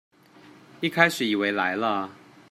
一開始以為來了